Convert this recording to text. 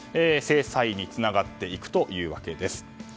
制裁につながっていくというわけです。